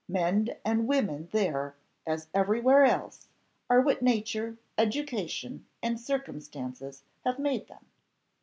Men and women there, as everywhere else, are what nature, education, and circumstances have made them.